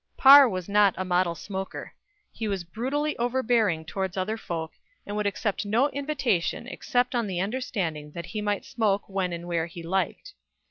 Parr was not a model smoker. He was brutally overbearing towards other folk, and would accept no invitation except on the understanding that he might smoke when and where he liked.